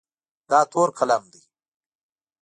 دا تور قلم دی.